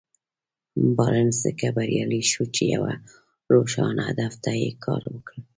بارنس ځکه بريالی شو چې يوه روښانه هدف ته يې کار وکړ.